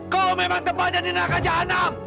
kau memang terbaca di naga jahannam